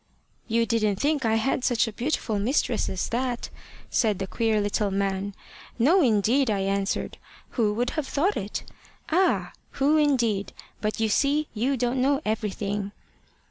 "`You didn't think I had such a beautiful mistress as that!' said the queer little man. `No, indeed!' I answered: `who would have thought it?' `Ah! who indeed? But you see you don't know everything.'